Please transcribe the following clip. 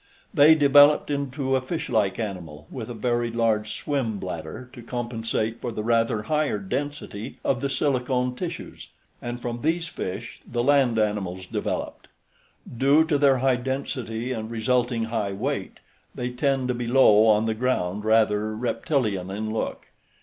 They developed into a fish like animal with a very large swim bladder to compensate for the rather higher density of the silicone tissues, and from these fish the land animals developed. Due to their high density and resulting high weight, they tend to be low on the ground, rather reptilian in look.